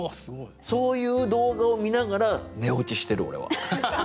そういう動画を見ながら寝落ちしてる俺は。